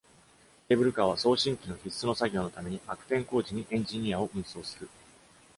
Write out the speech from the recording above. ケーブルカーは、送信機の必須の作業のために、悪天候時にエンジニアを運送する。